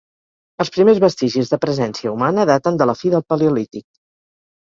Els primers vestigis de presència humana daten de la fi del Paleolític.